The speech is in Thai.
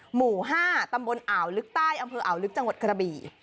หมู่๕ตำบลอ่าวลึกใต้อำเภออ่าวลึกจังหวัดกระบี่